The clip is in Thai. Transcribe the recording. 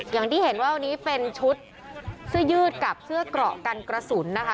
อย่างที่เห็นว่าวันนี้เป็นชุดเสื้อยืดกับเสื้อเกราะกันกระสุนนะคะ